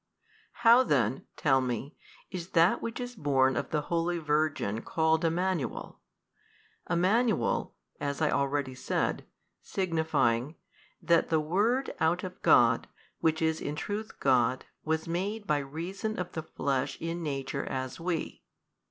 How then (tell me) is that which is born of the holy Virgin called Emmanuel? Emmanuel (as I already said) signifying, that the Word out of God which is in truth God was made by reason of the Flesh in nature as we.